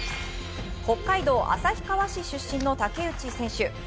北海道旭川市出身の竹内選手。